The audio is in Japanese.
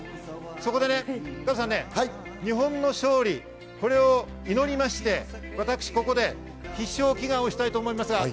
そこで日本の勝利、これを祈りまして、私、ここで必勝祈願をしたいと思います。